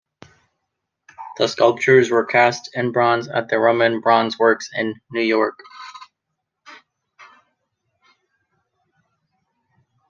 The sculptures were cast in bronze at the Roman Bronze Works in New York.